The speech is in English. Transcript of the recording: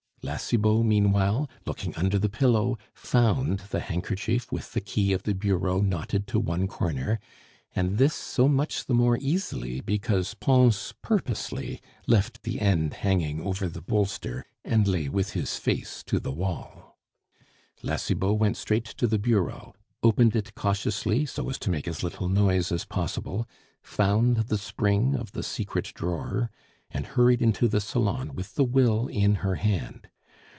La Cibot, meanwhile, looking under the pillow, found the handkerchief with the key of the bureau knotted to one corner; and this so much the more easily because Pons purposely left the end hanging over the bolster, and lay with his face to the wall. La Cibot went straight to the bureau, opened it cautiously so as to make as little noise as possible, found the spring of the secret drawer, and hurried into the salon with the will in her hand.